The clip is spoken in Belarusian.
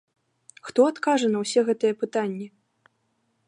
Хто адкажа на ўсе гэтыя пытанні?